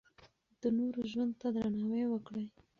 د نورو ژوند ته درناوی وکړئ.